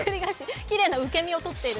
きれいな受け身をとっている。